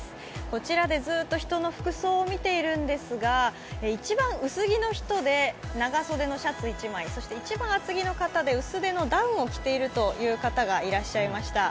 こちらでずーっと人の服装を見ているんですが一番薄着の人で長袖のシャツ１枚、一番厚着の方で、薄手のダウンを着ているという方がいらっしゃいました。